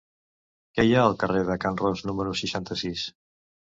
Què hi ha al carrer de Can Ros número seixanta-sis?